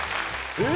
えっ？